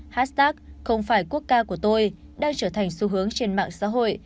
hashtag không phải quốc ca của tôi đang trở thành xu hướng trên mạng xã hội